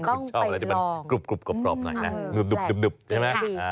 คุณชอบอะไรที่มันกรุบกรอบหน่อยนะหนึบใช่ไหม